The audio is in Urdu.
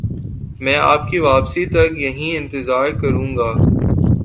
میں آپ کی واپسی تک یہیں انتظار کروں گا